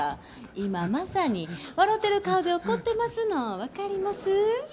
今、まさにわろてる顔で怒ってますの分かります？